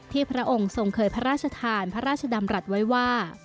พระองค์ทรงเคยพระราชทานพระราชดำรัฐไว้ว่า